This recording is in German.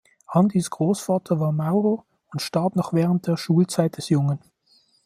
Andys Grossvater war Maurer und starb noch während der Schulzeit des Jungen.